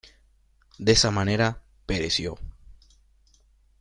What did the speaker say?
De esa manera pereció.